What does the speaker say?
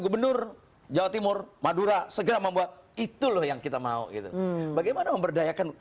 gubernur jawa timur madura segera membuat itu loh yang kita mau gitu bagaimana memberdayakan